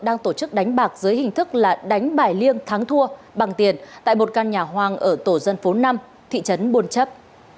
đang tổ chức đánh bạc dưới hình thức là đánh bài liêng thắng thua bằng tiền tại một căn nhà hoang ở tổ dân phố năm thị trấn buôn chấp